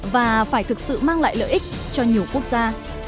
và phải thực sự mang lại lợi ích cho nhiều quốc gia